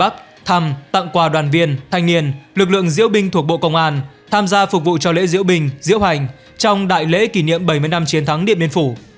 tặng quà đoàn viên thanh niên lực lượng diễu binh thuộc bộ công an tham gia phục vụ cho lễ diễu binh diễu hành trong đại lễ kỷ niệm bảy mươi năm chiến thắng điện biên phủ